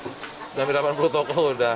sudah hampir delapan puluh toko sudah